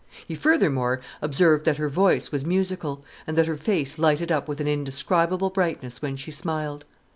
He furthermore observed that her voice was musical, and that her face lighted up with an indescribable brightness when she smiled.